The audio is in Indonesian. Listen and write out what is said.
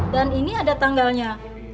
dan ini ada tanggalnya